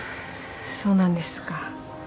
そうなんですか。